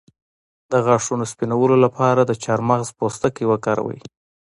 د غاښونو سپینولو لپاره د چارمغز پوستکی وکاروئ